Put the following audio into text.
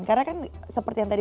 karena kan seperti yang tadi